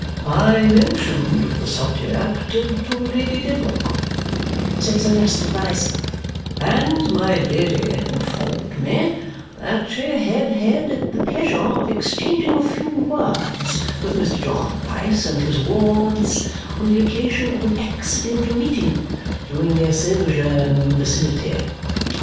"I mentioned the subject to Lady Dedlock," said Sir Leicester, rising, "and my Lady informed me that she had had the pleasure of exchanging a few words with Mr. Jarndyce and his wards on the occasion of an accidental meeting during their sojourn in the vicinity.